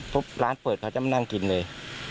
ร้านเปิดเขาจะมานั่งกินเลย